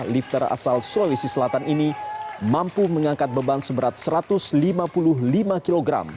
lifter asal sulawesi selatan ini mampu mengangkat beban seberat satu ratus lima puluh lima kg